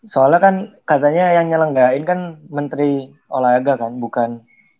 soalnya kan katanya yang nyelenggakin kan menteri olahraga kan bukan